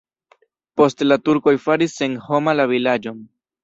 Poste la turkoj faris senhoma la vilaĝon.